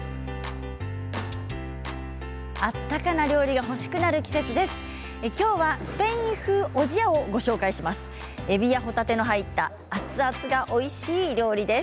温かな料理が欲しくなる季節です。